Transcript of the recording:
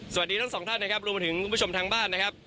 สวัสดีทั้งสองท่านนะครับรวมไปถึงคุณผู้ชมทางบ้านนะครับ